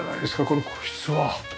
この個室は。